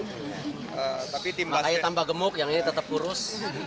makanya tambah gemuk yang ini tetap kurus